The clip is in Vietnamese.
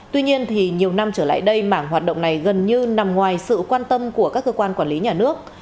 tuy nhiên thì nhiều năm trở lại đây mảng hoạt động này gần như nằm ngoài sự quan tâm của các cơ quan quản lý nhà nước